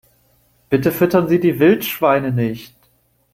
Bitte füttern Sie die Wildschweine nicht!